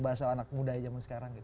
bahasa anak muda zaman sekarang